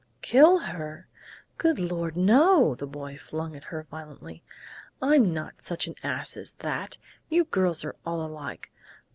"Kill her?... Good Lord, no!" the boy flung at her violently. "I'm not such an ass as that! You girls are all alike!